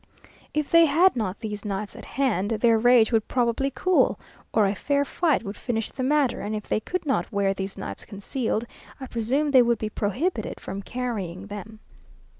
If they had not these knives at hand, their rage would probably cool, or a fair fight would finish the matter, and if they could not wear these knives concealed, I presume they would be prohibited from carrying them.